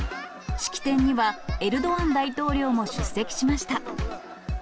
式典にはエルドアン大統領も出席しました。